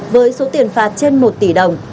với số tiền phạt trên một tỷ đồng